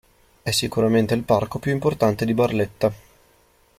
È sicuramente il parco più importante di Barletta.